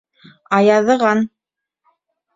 Аяҙыған.